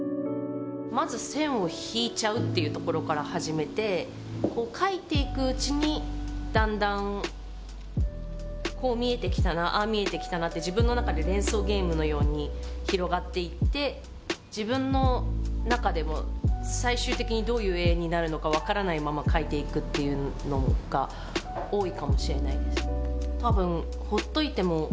まず線を引いちゃうっていうところから始めて描いていくうちにだんだんこう見えてきたなああ見えてきたなって自分の中で自分の中でも最終的にどういう絵になるのか分からないまま描いていくっていうのが多いかもしれないです